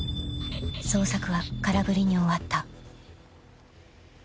［捜索は空振りに終わった］